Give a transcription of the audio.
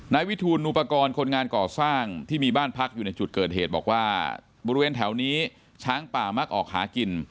วิทูลนูปกรณ์คนงานก่อสร้างที่มีบ้านพักอยู่ในจุดเกิดเหตุบอกว่าบริเวณแถวนี้ช้างป่ามักออกหากิน